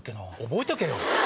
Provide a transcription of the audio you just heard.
覚えとけよ。